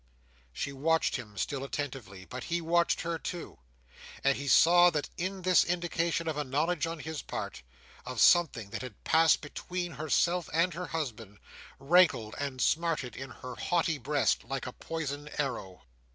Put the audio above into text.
She watched him still attentively. But he watched her too; and he saw that this indication of a knowledge on his part, of something that had passed between herself and her husband, rankled and smarted in her haughty breast, like a poisoned arrow.